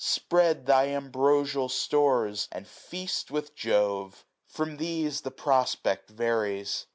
Spread thy ambrosial stores, and feast with Jove ! From these the prospect varies.